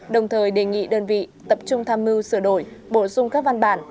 đồng thời đề nghị đơn vị tập trung tham mưu sửa đổi bổ sung các văn bản